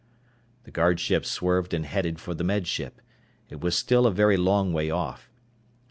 The guard ship swerved and headed for the Med Ship. It was still a very long way off.